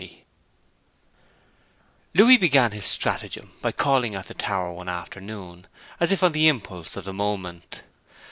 XXX Louis began his stratagem by calling at the tower one afternoon, as if on the impulse of the moment.